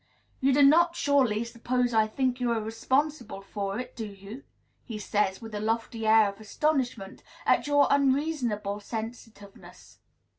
"You do not, surely, suppose I think you are responsible for it, do you?" he says, with a lofty air of astonishment at your unreasonable sensitiveness.